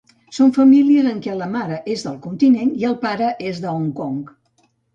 Són famílies en què la mare és del continent i el pare és de Hong Kong.